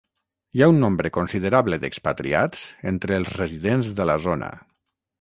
Hi ha un nombre considerable de expatriats entre els residents de la zona.